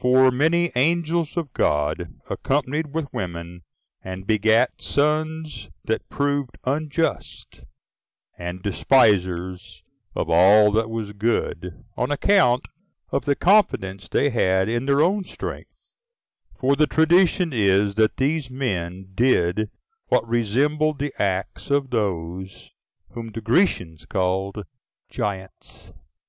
For many angels11 of God accompanied with women, and begat sons that proved unjust, and despisers of all that was good, on account of the confidence they had in their own strength; for the tradition is, that these men did what resembled the acts of those whom the Grecians call giants.